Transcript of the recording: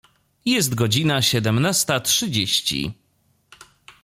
Jest godzina siedemnasta trzydzieści.